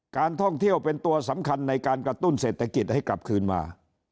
การท่องเที่ยวเป็นตัวสำคัญในการกระตุ้นเศรษฐกิจให้กลับคืนมา